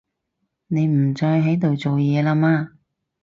你唔再喺度做嘢啦嘛